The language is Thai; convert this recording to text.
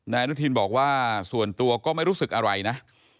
อนุทินบอกว่าส่วนตัวก็ไม่รู้สึกอะไรนะ